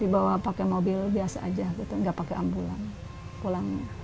dibawa pakai mobil biasa aja gitu nggak pakai ambulan pulang